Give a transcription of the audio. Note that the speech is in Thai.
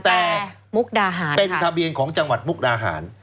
แต่มุกดาหารเป็นทะเบียนของจังหวัดมุกดาหาร